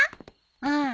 うん。